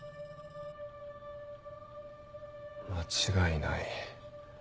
間違いない。